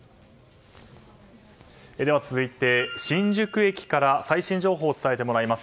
では続いて、新宿駅から最新情報を伝えてもらいます。